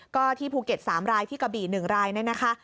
ก็ที่ภูเก็ต๓รายที่กะบี่๑รายเนี่ยนะคะ